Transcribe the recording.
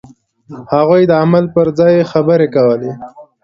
هغوی د عمل پر ځای خبرې کولې.